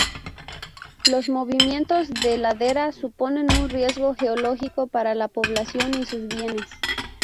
Los movimientos de ladera suponen un riesgo geológico para la población y sus bienes.